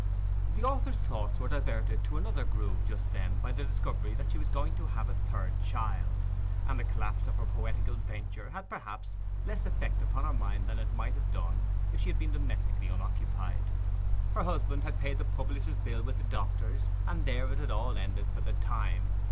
The author's thoughts were diverted to another groove just then by the discovery that she was going to have a third child, and the collapse of her poetical venture had perhaps less effect upon her mind than it might have done if she had been domestically unoccupied. Her husband had paid the publisher's bill with the doctor's, and there it all had ended for the time.